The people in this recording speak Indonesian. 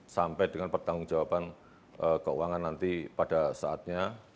sampai dengan pertanggungjawaban keuangan nanti pada saatnya